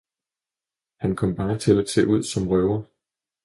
han kom bare til at se ud som røver.